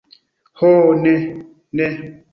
Ho ne, ne.